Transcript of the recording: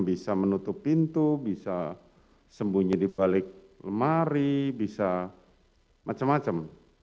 bisa menutup pintu bisa sembunyi di balik lemari bisa macam macam